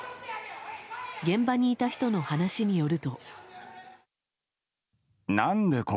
現場にいた人の話によると。